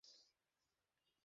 হ্যাঁ, হ্যাঁ, পেয়েছি।